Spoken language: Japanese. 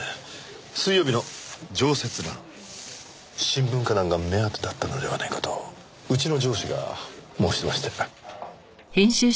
新聞歌壇が目当てだったのではないかとうちの上司が申しまして。